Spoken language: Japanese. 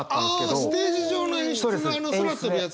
ああステージ上の演出のあの空飛ぶやつね。